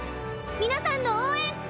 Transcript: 皆さんの応援！